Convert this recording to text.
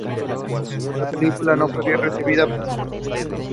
La película no fue bien recibida por los críticos.